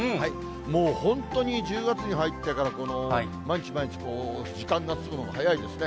もう本当に１０月に入ってから、毎日毎日こう、時間が進むのが早いですね。